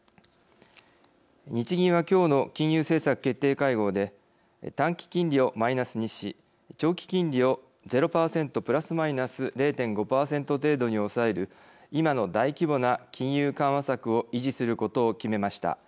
日銀は金融政策決定会合で短期金利をマイナスにし長期金利をゼロ％±０．５％程度に抑える今の大規模な金融緩和策を維持することを決めました。